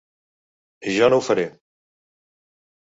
Jo no ho faré.